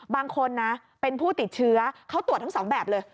บางคนนะเป็นผู้ติดเชื้อเขาตรวจทั้งสองแบบเลย